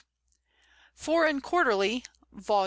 Foreign Quarterly, vol.